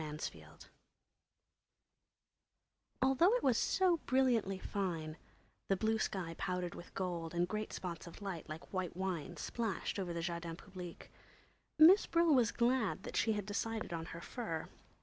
Miss Brill Although it was so brilliantly fine—the blue sky powdered with gold and great spots of light like white wine splashed over the Jardins Publiques—Miss Brill was glad that she had decided on her fur.